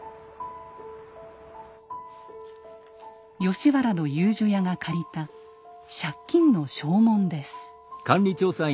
吉原の遊女屋が借りた借金の証文です。